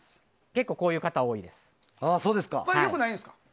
結構こういう方、多いです。